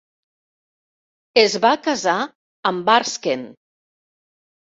Es va casar amb Varsken.